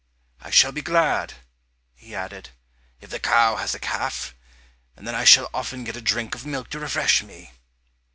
I shall be glad," he added, "if the cow has a calf, and then I shall often get a drink of milk to refresh me."